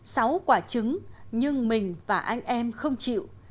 sáu quả trứng nhưng mình và anh em không chịu